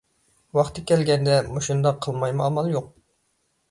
ۋاقتى كەلگەندە مۇشۇنداق قىلمايمۇ ئامال يوق.